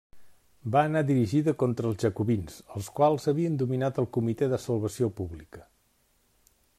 Va anar dirigida contra els Jacobins els quals havien dominat el Comitè de Salvació Pública.